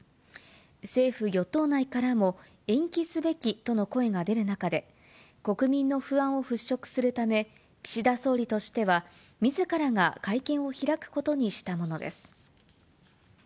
政府・与党内からも、延期すべきとの声が出る中で、国民の不安を払拭するため、岸田総理としては、みずからが会見を開くことにしたものです。